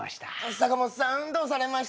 坂本さんどうされました？